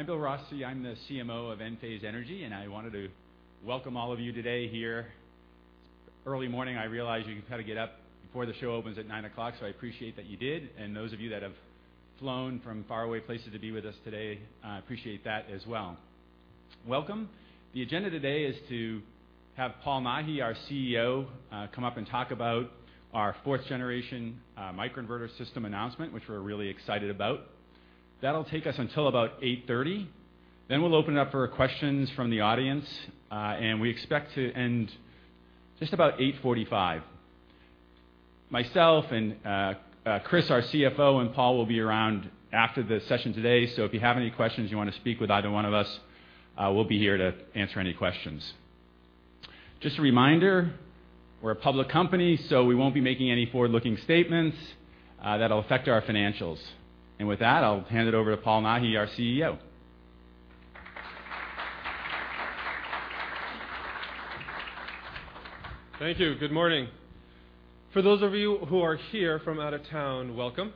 Great. I'm Bill Rossi. I'm the CMO of Enphase Energy, I wanted to welcome all of you today here. Early morning, I realize you had to get up before the show opens at 9:00 A.M., I appreciate that you did. Those of you that have flown from faraway places to be with us today, I appreciate that as well. Welcome. The agenda today is to have Paul Nahi, our CEO, come up and talk about our fourth-generation microinverter system announcement, which we're really excited about. That'll take us until about 8:30 A.M. We'll open it up for questions from the audience, and we expect to end just about 8:45 A.M. Myself and Kris, our CFO, and Paul will be around after the session today. If you have any questions, you want to speak with either one of us, we'll be here to answer any questions. Just a reminder, we're a public company, we won't be making any forward-looking statements that'll affect our financials. With that, I'll hand it over to Paul Nahi, our CEO. Thank you. Good morning. For those of you who are here from out of town, welcome.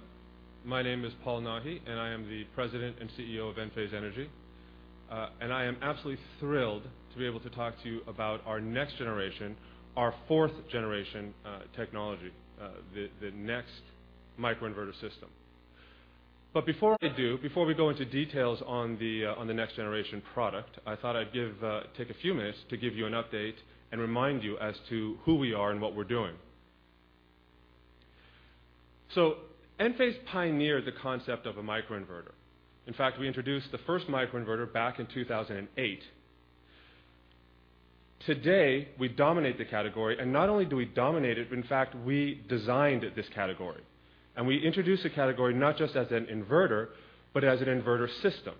My name is Paul Nahi, and I am the President and CEO of Enphase Energy. I am absolutely thrilled to be able to talk to you about our next-generation, our fourth-generation technology, the next microinverter system. Before I do, before we go into details on the next-generation product, I thought I'd take a few minutes to give you an update and remind you as to who we are and what we're doing. Enphase pioneered the concept of a microinverter. In fact, we introduced the first microinverter back in 2008. Today, we dominate the category, and not only do we dominate it, but in fact, we designed this category. We introduced a category not just as an inverter, but as an inverter system.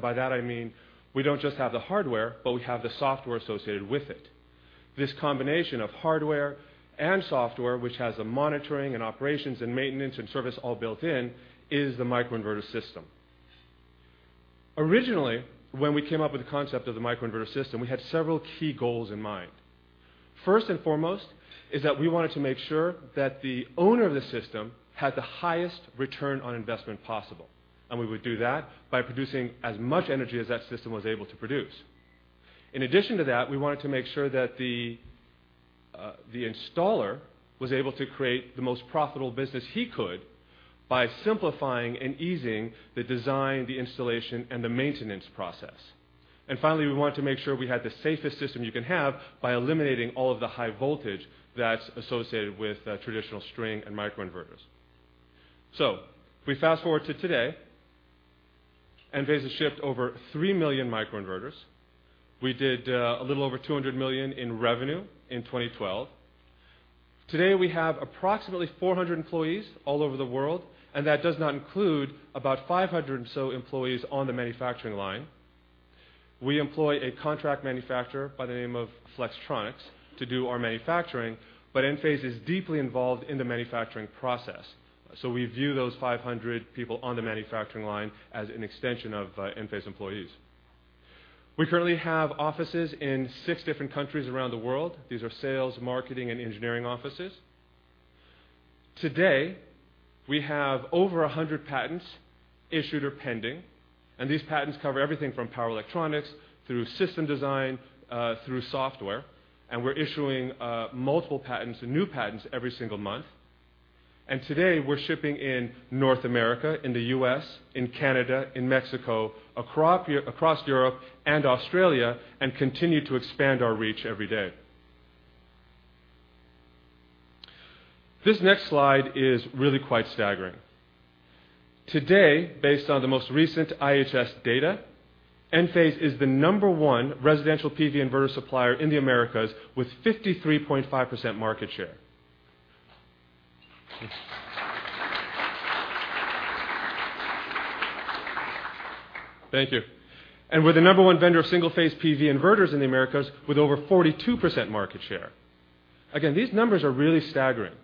By that I mean we don't just have the hardware, but we have the software associated with it. This combination of hardware and software, which has a monitoring and operations and maintenance and service all built in, is the microinverter system. Originally, when we came up with the concept of the microinverter system, we had several key goals in mind. First and foremost is that we wanted to make sure that the owner of the system had the highest return on investment possible, and we would do that by producing as much energy as that system was able to produce. In addition to that, we wanted to make sure that the installer was able to create the most profitable business he could by simplifying and easing the design, the installation, and the maintenance process. Finally, we wanted to make sure we had the safest system you can have by eliminating all of the high voltage that's associated with traditional string and microinverters. We fast-forward to today. Enphase has shipped over 3 million microinverters. We did a little over $200 million in revenue in 2012. Today, we have approximately 400 employees all over the world, and that does not include about 500 or so employees on the manufacturing line. We employ a contract manufacturer by the name of Flextronics to do our manufacturing, but Enphase is deeply involved in the manufacturing process. We view those 500 people on the manufacturing line as an extension of Enphase employees. We currently have offices in 6 different countries around the world. These are sales, marketing, and engineering offices. Today, we have over 100 patents issued or pending, these patents cover everything from power electronics through system design, through software, and we're issuing multiple patents and new patents every single month. Today, we're shipping in North America, in the U.S., in Canada, in Mexico, across Europe and Australia, and continue to expand our reach every day. This next slide is really quite staggering. Today, based on the most recent IHS data, Enphase is the number 1 residential PV inverter supplier in the Americas with 53.5% market share. Thank you. We're the number 1 vendor of single-phase PV inverters in the Americas with over 42% market share. Again, these numbers are really staggering.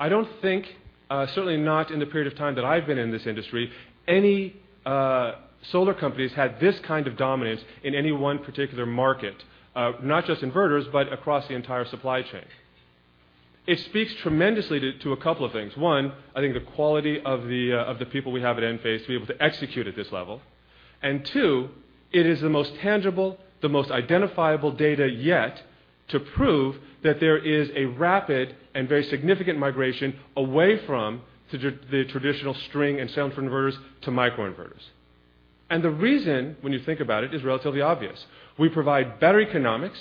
I don't think, certainly not in the period of time that I've been in this industry, any solar companies had this kind of dominance in any one particular market, not just inverters, but across the entire supply chain. It speaks tremendously to a couple of things. 1, I think the quality of the people we have at Enphase to be able to execute at this level, and 2, it is the most tangible, the most identifiable data yet to prove that there is a rapid and very significant migration away from the traditional string and central inverters to microinverters. The reason, when you think about it, is relatively obvious. We provide better economics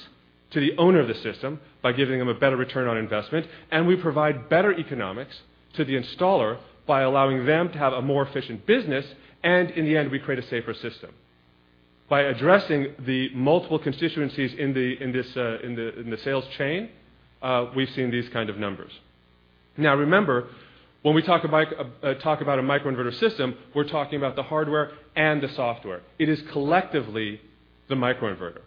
to the owner of the system by giving them a better return on investment, and we provide better economics to the installer by allowing them to have a more efficient business, and in the end, we create a safer system. By addressing the multiple constituencies in the sales chain, we've seen these kind of numbers. Remember, when we talk about a microinverter system, we're talking about the hardware and the software. It is collectively the microinverter.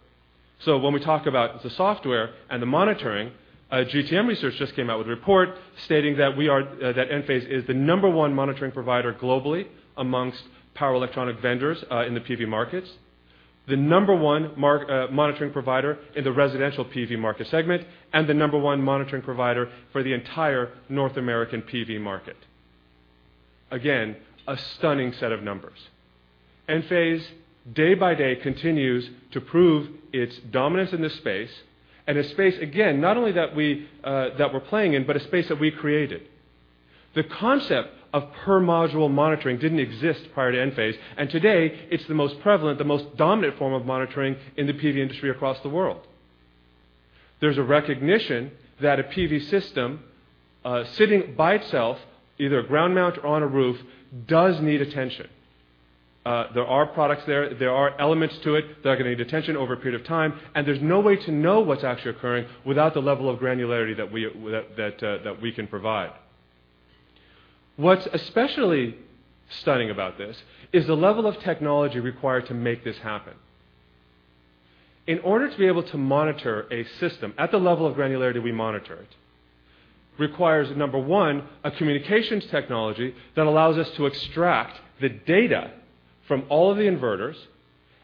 When we talk about the software and the monitoring, GTM Research just came out with a report stating that Enphase is the number 1 monitoring provider globally amongst power electronic vendors in the PV markets. The number 1 monitoring provider in the residential PV market segment, and the number 1 monitoring provider for the entire North American PV market. Again, a stunning set of numbers. Enphase, day by day, continues to prove its dominance in this space, and a space, again, not only that we're playing in, but a space that we created. The concept of per module monitoring didn't exist prior to Enphase, and today it's the most prevalent, the most dominant form of monitoring in the PV industry across the world. There's a recognition that a PV system sitting by itself, either ground mount or on a roof, does need attention. There are products there are elements to it that are going to need attention over a period of time, and there's no way to know what's actually occurring without the level of granularity that we can provide. What's especially stunning about this is the level of technology required to make this happen. In order to be able to monitor a system at the level of granularity we monitor it, requires, number 1, a communications technology that allows us to extract the data from all of the inverters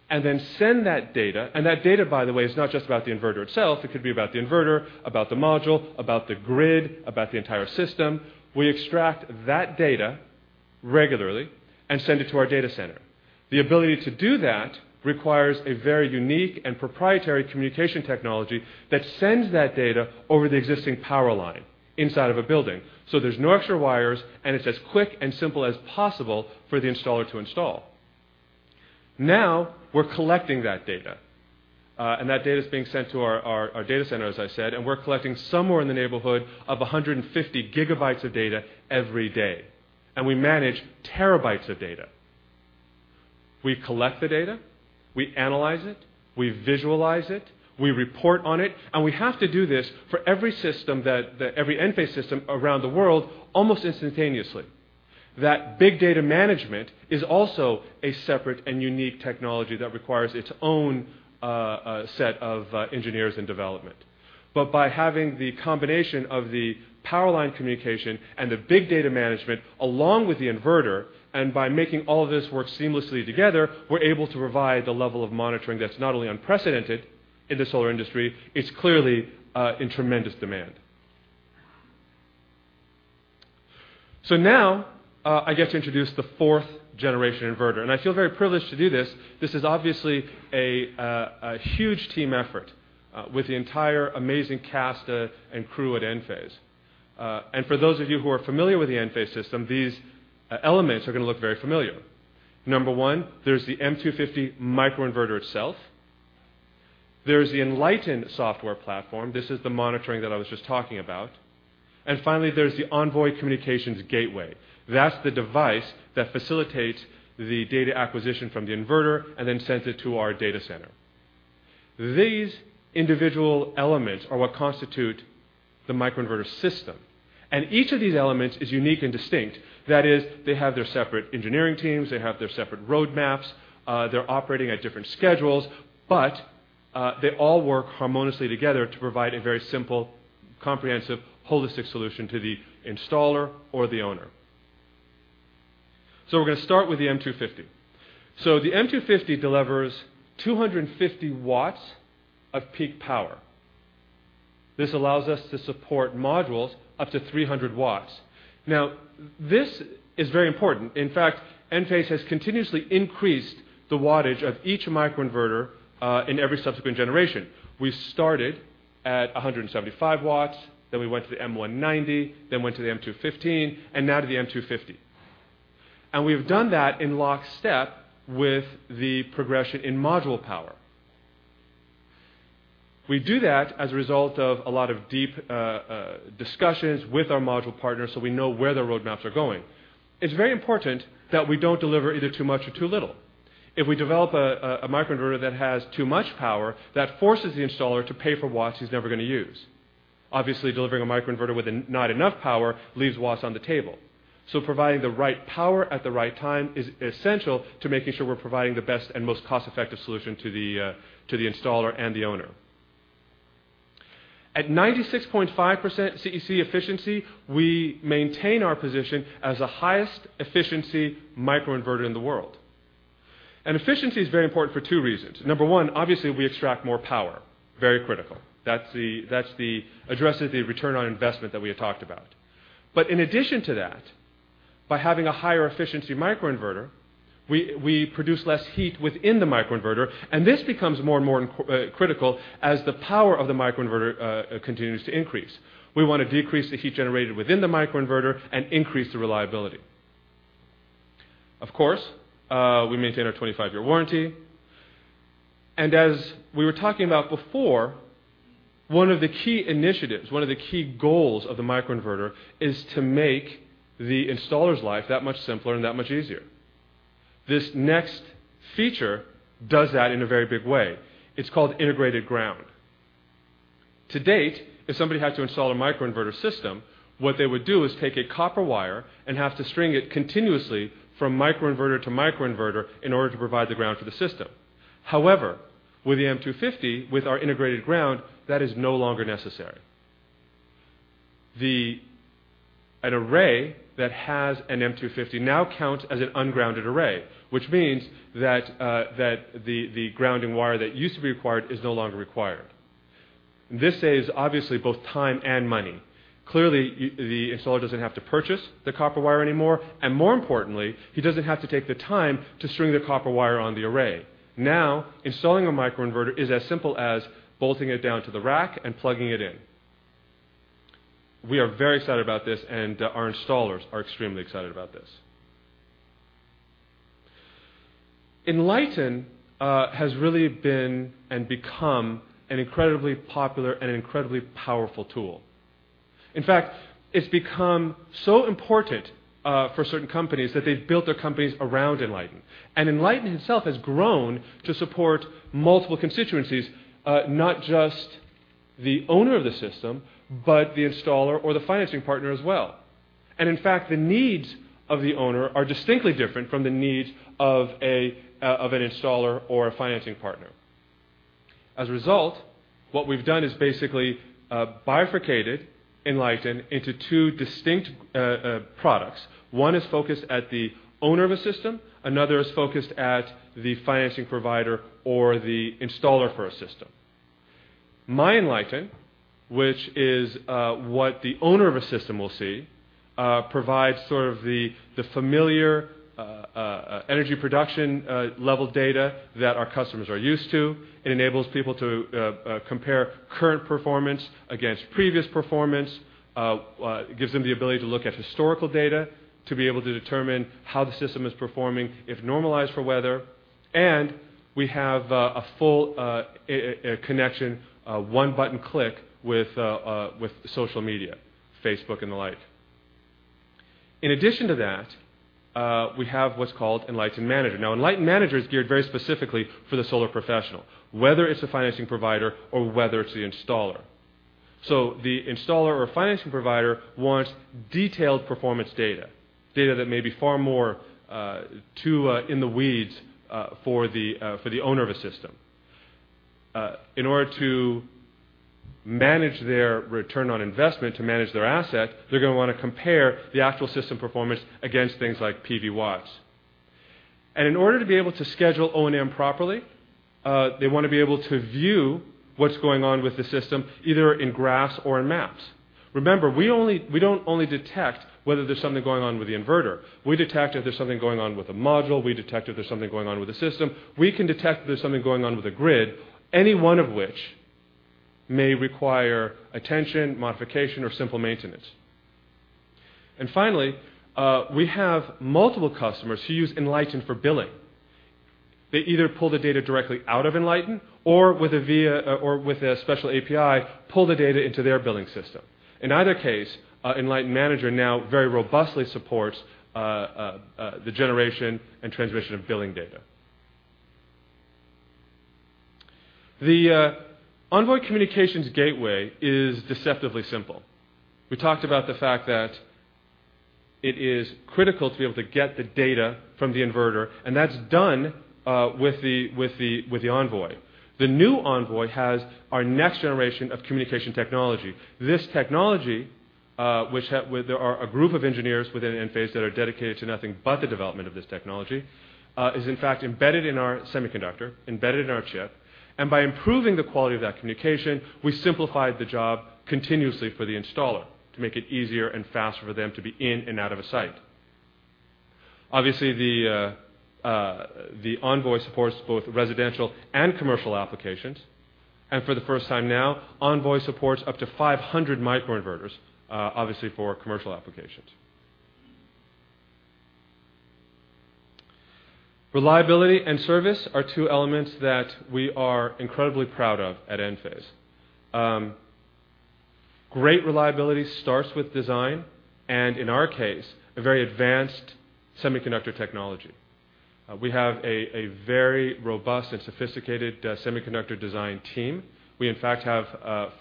and then send that data. That data, by the way, is not just about the inverter itself. It could be about the inverter, about the module, about the grid, about the entire system. We extract that data regularly and send it to our data center. The ability to do that requires a very unique and proprietary communication technology that sends that data over the existing power line inside of a building. There's no extra wires, and it's as quick and simple as possible for the installer to install. Now we're collecting that data, that data is being sent to our data center, as I said, we're collecting somewhere in the neighborhood of 150 GB of data every day. We manage terabytes of data. We collect the data, we analyze it, we visualize it, we report on it, and we have to do this for every Enphase system around the world almost instantaneously. That big data management is also a separate and unique technology that requires its own set of engineers and development. By having the combination of the power line communication and the big data management along with the inverter, and by making all of this work seamlessly together, we're able to provide the level of monitoring that's not only unprecedented in the solar industry, it's clearly in tremendous demand. Now I get to introduce the fourth-generation inverter, and I feel very privileged to do this. This is obviously a huge team effort with the entire amazing cast and crew at Enphase. For those of you who are familiar with the Enphase system, these elements are going to look very familiar. Number 1, there's the M250 microinverter itself. There's the Enlighten software platform. This is the monitoring that I was just talking about. Finally, there's the Envoy Communications Gateway. That's the device that facilitates the data acquisition from the inverter and then sends it to our data center. These individual elements are what constitute the microinverter system, and each of these elements is unique and distinct. That is, they have their separate engineering teams, they have their separate roadmaps, they're operating at different schedules, but they all work harmoniously together to provide a very simple, comprehensive, holistic solution to the installer or the owner. We're going to start with the M250. The M250 delivers 250 watts of peak power. This allows us to support modules up to 300 watts. This is very important. In fact, Enphase has continuously increased the wattage of each microinverter in every subsequent generation. We started at 175 watts, then we went to the M190, then went to the M215, and now to the M250. We've done that in lockstep with the progression in module power. We do that as a result of a lot of deep discussions with our module partners, so we know where the roadmaps are going. It's very important that we don't deliver either too much or too little. If we develop a microinverter that has too much power, that forces the installer to pay for watts he's never going to use. Obviously, delivering a microinverter with not enough power leaves watts on the table. Providing the right power at the right time is essential to making sure we're providing the best and most cost-effective solution to the installer and the owner. At 96.5% CEC efficiency, we maintain our position as the highest efficiency microinverter in the world. Efficiency is very important for two reasons. Number one, obviously, we extract more power, very critical. That addresses the return on investment that we had talked about. In addition to that, by having a higher efficiency microinverter, we produce less heat within the microinverter, and this becomes more and more critical as the power of the microinverter continues to increase. We want to decrease the heat generated within the microinverter and increase the reliability. Of course, we maintain our 25-year warranty. As we were talking about before, one of the key initiatives, one of the key goals of the microinverter is to make the installer's life that much simpler and that much easier. This next feature does that in a very big way. It's called integrated ground. To date, if somebody had to install a microinverter system, what they would do is take a copper wire and have to string it continuously from microinverter to microinverter in order to provide the ground for the system. However, with the M250, with our integrated ground, that is no longer necessary. An array that has an M250 now counts as an ungrounded array, which means that the grounding wire that used to be required is no longer required. This saves, obviously, both time and money. Clearly, the installer doesn't have to purchase the copper wire anymore, and more importantly, he doesn't have to take the time to string the copper wire on the array. Installing a microinverter is as simple as bolting it down to the rack and plugging it in. We are very excited about this, and our installers are extremely excited about this. Enlighten has really been and become an incredibly popular and an incredibly powerful tool. In fact, it's become so important for certain companies that they've built their companies around Enlighten. Enlighten itself has grown to support multiple constituencies, not just the owner of the system, but the installer or the financing partner as well. In fact, the needs of the owner are distinctly different from the needs of an installer or a financing partner. As a result, what we've done is basically bifurcated Enlighten into two distinct products. One is focused at the owner of a system, another is focused at the financing provider or the installer for a system. MyEnlighten, which is what the owner of a system will see, provides the familiar energy production level data that our customers are used to. It enables people to compare current performance against previous performance. It gives them the ability to look at historical data, to be able to determine how the system is performing if normalized for weather. We have a full connection, a one-button click with social media, Facebook and the like. In addition to that, we have what's called Enlighten Manager. Enlighten Manager is geared very specifically for the solar professional, whether it's the financing provider or whether it's the installer. The installer or financing provider wants detailed performance data that may be far more too in the weeds for the owner of a system. In order to manage their return on investment, to manage their asset, they're going to want to compare the actual system performance against things like PVWatts. In order to be able to schedule O&M properly, they want to be able to view what's going on with the system, either in graphs or in maps. Remember, we don't only detect whether there's something going on with the inverter. We detect if there's something going on with a module, we detect if there's something going on with the system. We can detect if there's something going on with the grid, any one of which may require attention, modification, or simple maintenance. Finally, we have multiple customers who use Enlighten for billing. They either pull the data directly out of Enlighten, or with a special API, pull the data into their billing system. In either case, Enlighten Manager now very robustly supports the generation and transmission of billing data. The Envoy Communications Gateway is deceptively simple. We talked about the fact that it is critical to be able to get the data from the inverter, and that's done with the Envoy. The new Envoy has our next generation of communication technology. This technology, which there are a group of engineers within Enphase that are dedicated to nothing but the development of this technology, is in fact embedded in our semiconductor, embedded in our chip. By improving the quality of that communication, we simplified the job continuously for the installer to make it easier and faster for them to be in and out of a site. Obviously, the Envoy supports both residential and commercial applications. For the first time now, Envoy supports up to 500 microinverters, obviously for commercial applications. Reliability and service are two elements that we are incredibly proud of at Enphase. Great reliability starts with design and, in our case, a very advanced semiconductor technology. We have a very robust and sophisticated semiconductor design team. We, in fact, have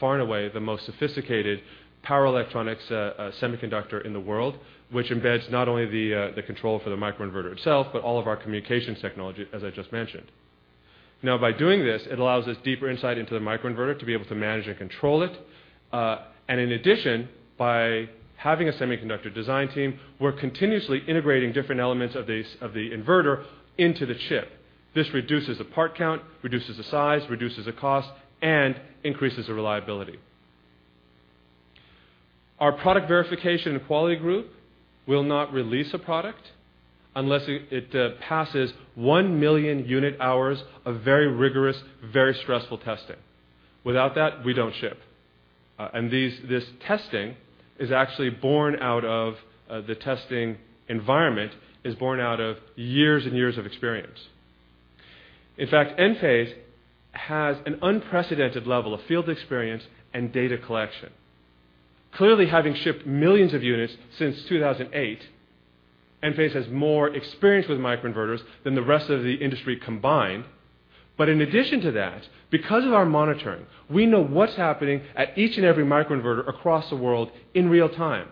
far and away the most sophisticated power electronics semiconductor in the world, which embeds not only the control for the microinverter itself, but all of our communications technology, as I just mentioned. By doing this, it allows us deeper insight into the microinverter to be able to manage and control it. In addition, by having a semiconductor design team, we're continuously integrating different elements of the inverter into the chip. This reduces the part count, reduces the size, reduces the cost, and increases the reliability. Our product verification and quality group will not release a product unless it passes 1 million unit hours of very rigorous, very stressful testing. Without that, we don't ship. This testing is actually born out of the testing environment, is born out of years and years of experience. In fact, Enphase has an unprecedented level of field experience and data collection. Clearly, having shipped millions of units since 2008, Enphase has more experience with microinverters than the rest of the industry combined. In addition to that, because of our monitoring, we know what's happening at each and every microinverter across the world in real time.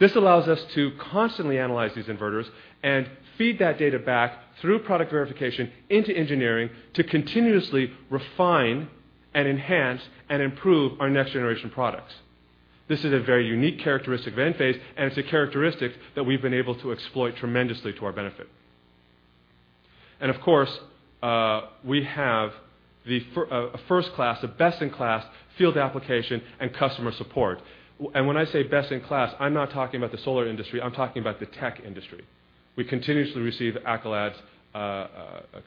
This allows us to constantly analyze these inverters and feed that data back through product verification into engineering to continuously refine and enhance and improve our next generation products. This is a very unique characteristic of Enphase, and it's a characteristic that we've been able to exploit tremendously to our benefit. Of course, we have a first class, a best-in-class field application and customer support. When I say best in class, I'm not talking about the solar industry, I'm talking about the tech industry. We continuously receive accolades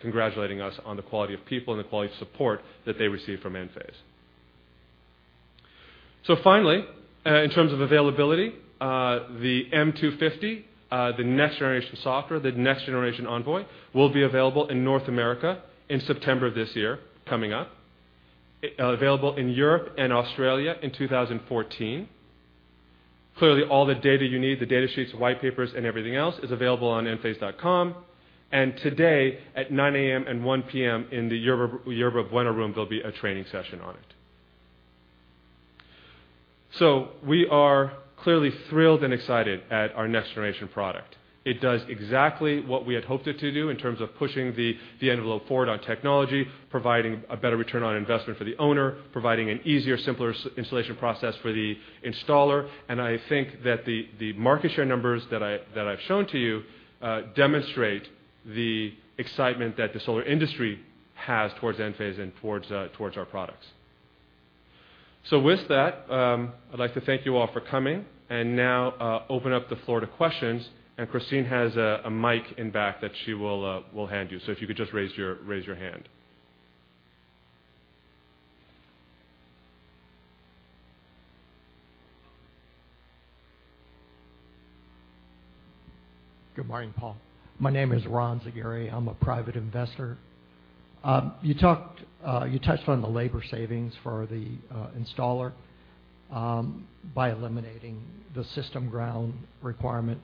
congratulating us on the quality of people and the quality of support that they receive from Enphase. Finally, in terms of availability, the M250, the next generation software, the next generation Envoy, will be available in North America in September of this year, coming up. Available in Europe and Australia in 2014. Clearly, all the data you need, the data sheets, white papers, and everything else is available on enphase.com. Today at 9:00 A.M. and 1:00 P.M. in the Yerba Buena room, there'll be a training session on it. We are clearly thrilled and excited at our next generation product. It does exactly what we had hoped it to do in terms of pushing the envelope forward on technology, providing a better return on investment for the owner, providing an easier, simpler installation process for the installer, and I think that the market share numbers that I've shown to you demonstrate the excitement that the solar industry has towards Enphase and towards our products. With that, I'd like to thank you all for coming, and now open up the floor to questions. Christine has a mic in back that she will hand you. If you could just raise your hand. Good morning, Paul. My name is Ron Zagari. I'm a private investor. You touched on the labor savings for the installer by eliminating the system ground requirement.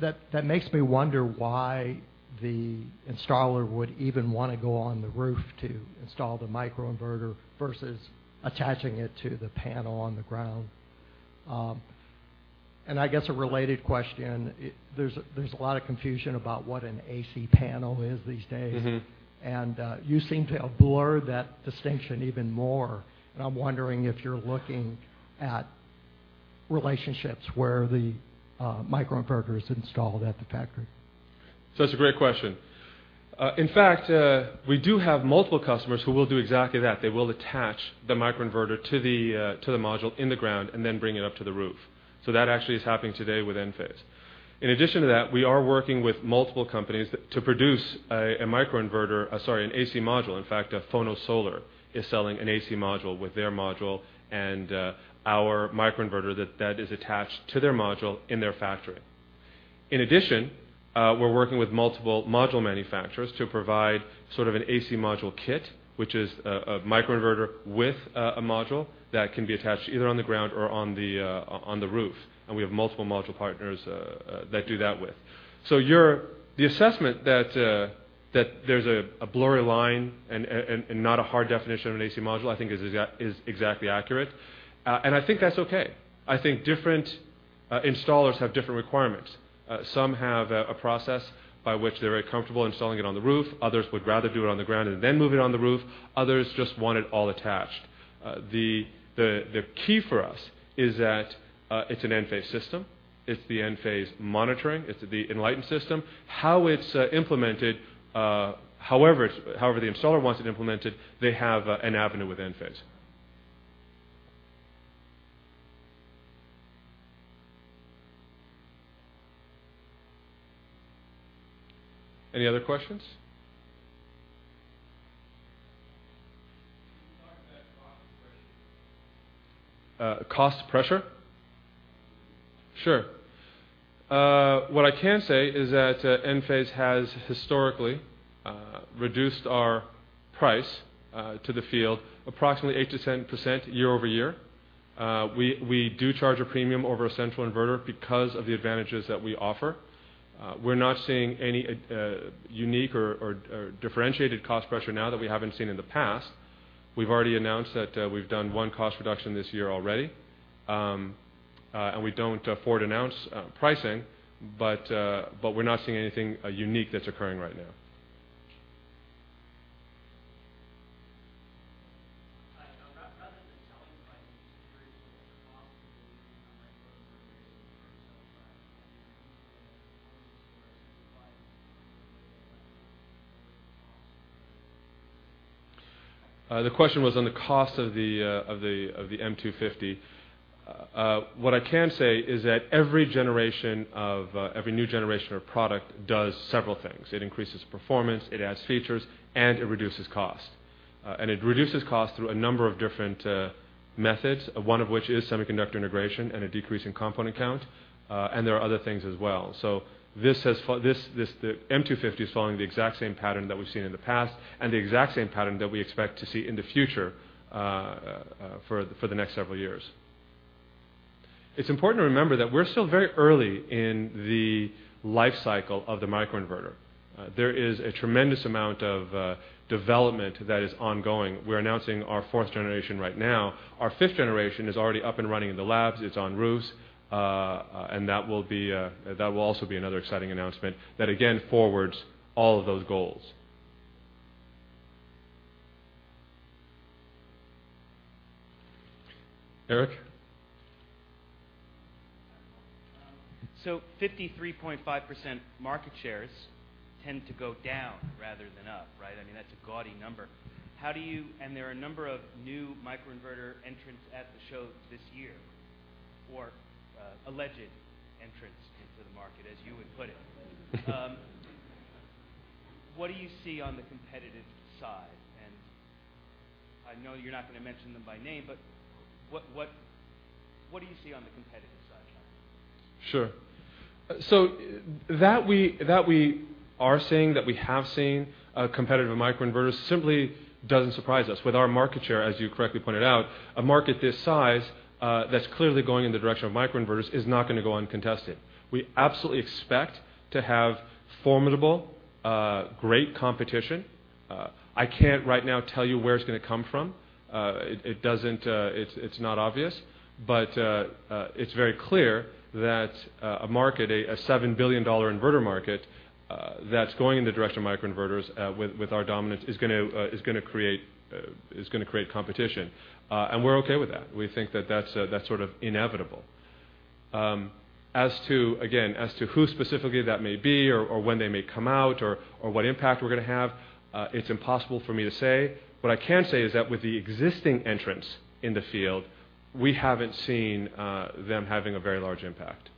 That makes me wonder why the installer would even want to go on the roof to install the microinverter versus attaching it to the panel on the ground. I guess a related question, there's a lot of confusion about what an AC module is these days. You seem to have blurred that distinction even more, and I'm wondering if you're looking at relationships where the microinverter is installed at the factory. That's a great question. In fact, we do have multiple customers who will do exactly that. They will attach the microinverter to the module in the ground and then bring it up to the roof. That actually is happening today with Enphase. In addition to that, we are working with multiple companies to produce a microinverter, sorry, an AC module. In fact, Phono Solar is selling an AC module with their module and our microinverter that is attached to their module in their factory. In addition, we're working with multiple module manufacturers to provide sort of an AC module kit, which is a microinverter with a module that can be attached either on the ground or on the roof, and we have multiple module partners that do that with. The assessment that there's a blurry line and not a hard definition of an AC module, I think is exactly accurate, and I think that's okay. I think different installers have different requirements. Some have a process by which they're very comfortable installing it on the roof. Others would rather do it on the ground and then move it on the roof. Others just want it all attached. The key for us is that it's an Enphase system. It's the Enphase monitoring. It's the Enlighten system. How it's implemented, however the installer wants it implemented, they have an avenue with Enphase. Any other questions? Can you talk about cost pressure? Cost pressure? Sure. What I can say is that Enphase has historically reduced our price to the field approximately 8%-10% year-over-year. We do charge a premium over a central inverter because of the advantages that we offer. We're not seeing any unique or differentiated cost pressure now that we haven't seen in the past. We've already announced that we've done one cost reduction this year already. We don't afford announce pricing, but we're not seeing anything unique that's occurring right now. The question was on the cost of the M250. What I can say is that every new generation of product does several things. It increases performance, it adds features, and it reduces cost. It reduces cost through a number of different methods, one of which is semiconductor integration and a decrease in component count, and there are other things as well. The M250 is following the exact same pattern that we've seen in the past and the exact same pattern that we expect to see in the future for the next several years. It's important to remember that we're still very early in the life cycle of the microinverter. There is a tremendous amount of development that is ongoing. We're announcing our fourth generation right now. Our fifth generation is already up and running in the labs, it's on roofs, and that will also be another exciting announcement that, again, forwards all of those goals. Eric? 53.5% market shares tend to go down rather than up, right? That's a gaudy number. There are a number of new microinverter entrants at the show this year, or alleged entrants into the market, as you would put it. What do you see on the competitive side? I know you're not going to mention them by name, but what do you see on the competitive side, [Sean]? Sure. That we are seeing, that we have seen competitive microinverters simply doesn't surprise us. With our market share, as you correctly pointed out, a market this size that's clearly going in the direction of microinverters is not going to go uncontested. We absolutely expect to have formidable, great competition. I can't right now tell you where it's going to come from. It's not obvious, but it's very clear that a market, a $7 billion inverter market that's going in the direction of microinverters, with our dominance, is going to create competition. We're okay with that. We think that that's sort of inevitable. Again, as to who specifically that may be or when they may come out or what impact we're going to have, it's impossible for me to say. What I can say is that with the existing entrants in the field, we haven't seen them having a very large impact.